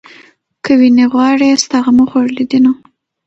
که وينې غواړې ستا غمو خوړلې دينه